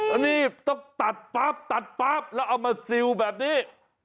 อันนี้ต้องตัดปั๊บตัดปั๊บแล้วเอามาซิลแบบนี้